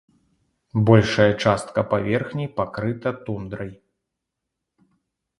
Большая частка паверхні пакрыта тундрай.